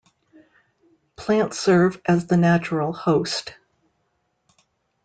Plants serve as the natural host.